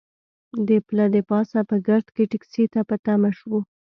د پله د پاسه په ګرد کې ټکسي ته په تمه شوو.